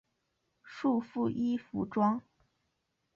束缚衣服装。